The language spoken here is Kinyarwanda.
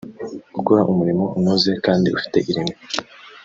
gukora umurimo unoze kandi ufite ireme